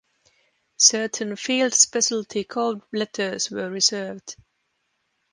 Certain field specialty code letters were reserved.